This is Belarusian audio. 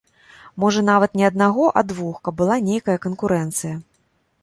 Можа, нават не аднаго, а двух, каб была нейкая канкурэнцыя.